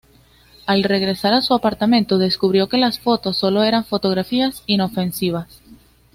Al regresar a su apartamento, descubrió que las fotos solo eran fotografías inofensivas.